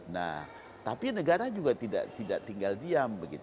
nah tapi negara juga tidak tinggal diam